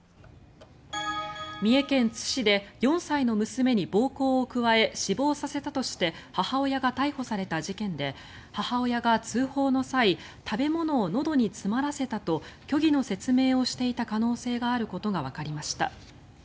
三重県津市で４歳の娘に暴行を加え、死亡させたとして母親が逮捕された事件で母親が通報の際食べ物をのどに詰まらせたと虚偽の説明をしていた可能性があることがわかりました。